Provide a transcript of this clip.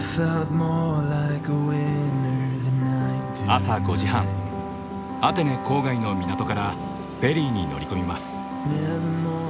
朝５時半アテネ郊外の港からフェリーに乗り込みます。